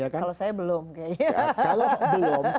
kalau saya belum